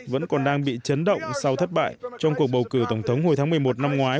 vẫn còn đang bị chấn động sau thất bại trong cuộc bầu cử tổng thống hồi tháng một mươi một năm ngoái